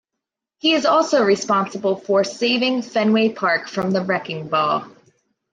He is also responsible for saving Fenway Park from the wrecking ball.